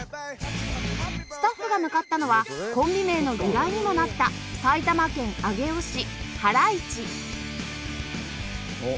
スタッフが向かったのはコンビ名の由来にもなったおっ！